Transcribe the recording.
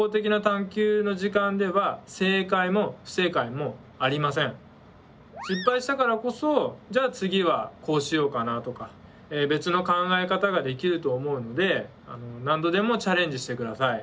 設定した課題は失敗したからこそじゃあ次はこうしようかなとか別の考え方ができると思うので何度でもチャレンジしてください。